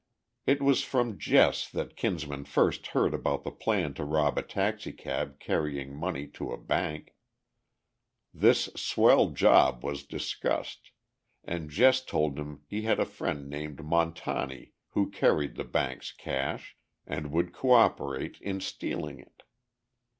It was from Jess that Kinsman first heard about the plan to rob a taxicab carrying money to a bank. This "swell job" was discussed, and Jess told him he had a friend named Montani who carried the bank's cash, and would cooperate in stealing it.